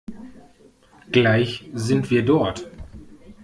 Gleich sind wir dort.